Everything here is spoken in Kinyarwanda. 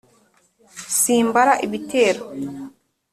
simbara ibitero